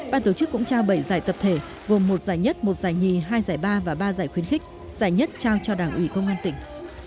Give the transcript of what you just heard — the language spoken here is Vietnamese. ban tổ chức cũng trao bảy giải tập thể gồm một giải nhất một giải nhì hai giải ba và ba giải khuyến khích giải nhất trao cho đảng ủy công an tỉnh